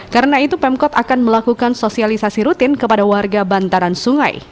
karena itu pemkot akan melakukan sosialisasi rutin kepada warga bantaran sungai